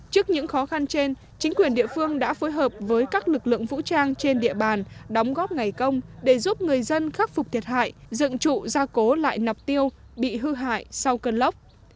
trước những khó khăn trên chính quyền địa phương đã phối hợp với các lực lượng vũ trang trên địa bàn đóng góp ngày công để giúp người dân khắc phục thiệt hại dựng trụ gia cố lại nọc tiêu bị hư hại sau cơn lốc